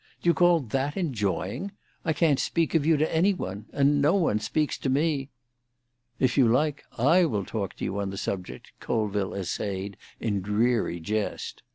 Do you call that enjoying? I can't speak of you to any one; and no one speaks to me——" "If you like, I will talk to you on the subject," Colville essayed, in dreary jest.